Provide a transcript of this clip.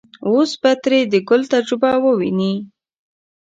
اوس به ترې د ګل تجربه وويني.